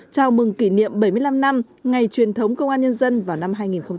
chào mừng kỷ niệm bảy mươi năm năm ngày truyền thống công an nhân dân vào năm hai nghìn hai mươi